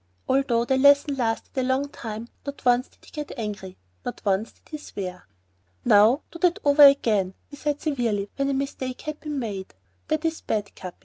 Although the lesson lasted a long time, not once did he get angry, not once did he swear. "Now do that over again," he said severely, when a mistake had been made. "That is bad, Capi.